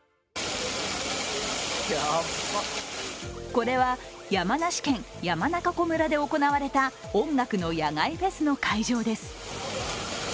これは山梨県山中湖村で行われた音楽の野外フェスの会場です。